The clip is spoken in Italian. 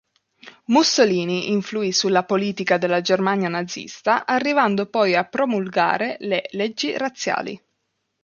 Mussolini influì sulla politica della Germania nazista, arrivando poi a promulgare le "Leggi razziali".